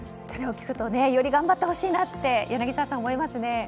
それを聞くとより頑張ってほしいなと柳澤さん、思いますね。